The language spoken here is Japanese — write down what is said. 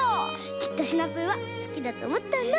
きっとシナプーはすきだとおもったんだ。